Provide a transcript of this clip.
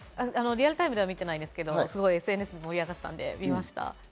リアルタイムでは見てないんですけどＳＮＳで盛り上がってたので見ました。